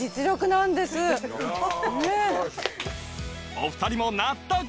お２人も納得！